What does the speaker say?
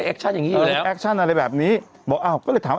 แอคชั่นอย่างงี้อยู่แล้วแอคชั่นอะไรแบบนี้บอกอ้าวก็เลยถาม